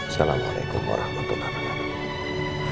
assalamualaikum warahmatullahi wabarakatuh